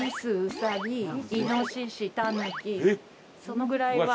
そのぐらいは。